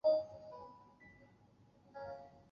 澳洲国家首都展览馆内。